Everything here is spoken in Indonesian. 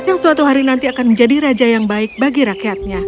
yang suatu hari nanti akan menjadi raja yang baik bagi rakyatnya